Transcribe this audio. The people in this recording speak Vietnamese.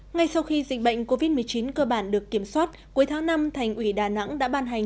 ngay sau khi dịch bệnh covid một mươi chín cơ bản được kiểm soát cuối tháng năm thành ủy đà nẵng đã ban hành